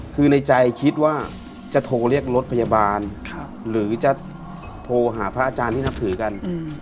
คือในใจคิดว่าจะโทรเรียกรถพยาบาลหรือจะโทรหาพระอาจารย์ที่นับถือกัน